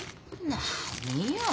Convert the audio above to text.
何よ。